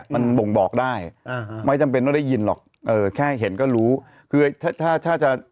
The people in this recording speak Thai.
มันบ่งบอกได้อ่าไม่จำเป็นต้องได้ยินหรอกเออแค่เห็นก็รู้คือถ้าถ้าจะ